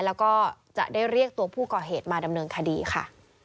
แล้วก็จะได้เรียกตัวผู้ก่อเหตุมาดำเนินคดีค่ะ